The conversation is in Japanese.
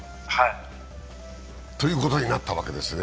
ということになったわけですね。